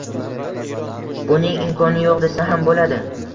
Buning imkoni yo‘q, desa ham bo‘ladi.